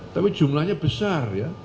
tapi jumlahnya besar ya